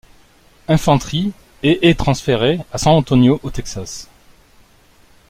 Infantry, et est transféré à San Antonio, au Texas.